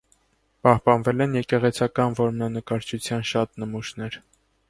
Պահպանվել են եկեղեցական որմնանկարչության շատ նմուշներ։